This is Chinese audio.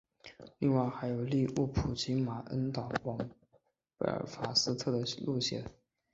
另外还有利物浦经马恩岛往贝尔法斯特的路线。